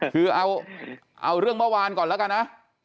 คือเอาเรื่องเมื่อวานก่อนแล้วกันนะ